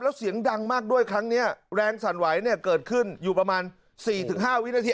แล้วเสียงดังมากด้วยครั้งนี้แรงสั่นไหวเนี่ยเกิดขึ้นอยู่ประมาณ๔๕วินาที